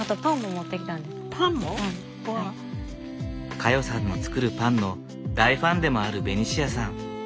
香代さんの作るパンの大ファンでもあるベニシアさん。